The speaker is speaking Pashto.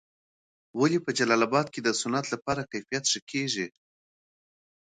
ولي په جلال اباد کي د صنعت لپاره کیفیت ښه کېږي؟